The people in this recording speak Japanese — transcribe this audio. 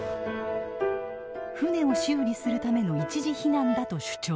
船を修理するための一時避難だと主張。